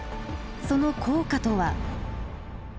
その効果とは。